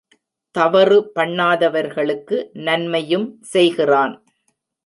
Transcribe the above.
தவறு பண்ணாதவர்களுக்கு நன்மையும் செய்கிறான்.